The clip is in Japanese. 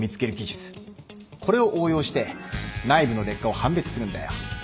これを応用して内部の劣化を判別するんだよ。